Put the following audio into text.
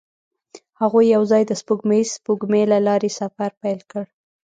هغوی یوځای د سپوږمیز سپوږمۍ له لارې سفر پیل کړ.